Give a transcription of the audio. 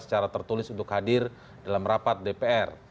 secara tertulis untuk hadir dalam rapat dpr